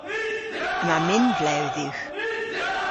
Yma minvlew dhywgh.